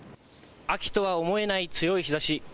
秋とは思えない強い日ざし。